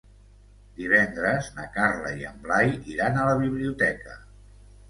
Divendres na Carla i en Blai iran a la biblioteca.